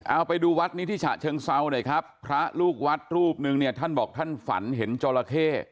เอาไปดูวัดนี้ที่ฉะเชิงเซาหน่อยครับพระลูกวัดรูปหนึ่งเนี่ยท่านบอกท่านฝันเห็นจราเข้